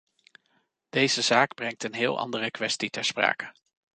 Deze zaak brengt een heel andere kwestie ter sprake.